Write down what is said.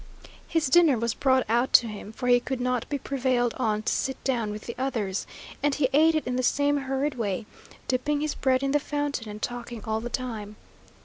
His dinner was brought out to him (for he could not be prevailed on to sit down with the others), and he ate it in the same hurried way, dipping his bread in the fountain, and talking all the time.